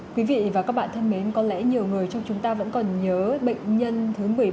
quý vị và các bạn thân mến có lẽ nhiều người trong chúng ta vẫn còn nhớ bệnh nhân thứ một mươi ba